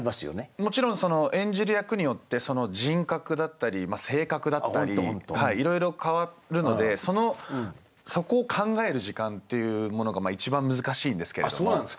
もちろんその演じる役によって人格だったり性格だったりいろいろ変わるのでそこを考える時間っていうものが一番難しいんですけれども。